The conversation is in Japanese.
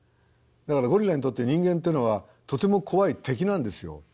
だからゴリラにとって人間というのはとても怖い敵なんですよ。